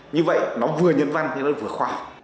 như vậy nó vừa nhân văn nhưng nó vừa khoa học